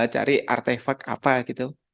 cari artefak apa gitu